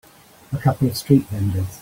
A couple of street vendors.